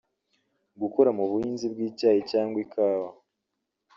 gukora mu buhinzi bw’icyayi cyangwa ikawa